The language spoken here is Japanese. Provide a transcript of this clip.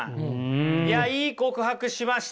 いやいい告白しました。ね。